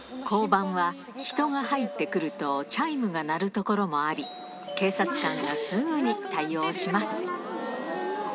交番は人が入ってくるとチャイムが鳴る所もあり、警察官がすぐに対応します。